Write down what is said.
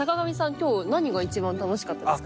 今日何が一番楽しかったですか？